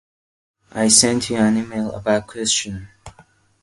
I sent you an email about a questionnaire.